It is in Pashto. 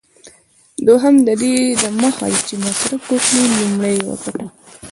دوهم: ددې دمخه چي مصرف وکړې، لومړی یې وګټه.